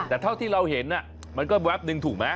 แต่เท่าที่เราเห็นมันก็แป๊บนึงถูกไหม